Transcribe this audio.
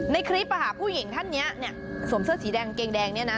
ในคลิปผู้หญิงท่านนี้เนี่ยสวมเสื้อสีแดงเกงแดงเนี่ยนะ